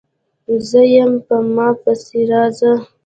_زه يم، په ما پسې راځه!